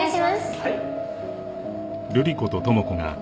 はい。